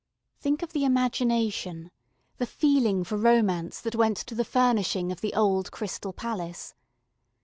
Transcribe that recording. ... Think of the imagination, the feeling for romance that went to the furnishing of the old Crystal Palace.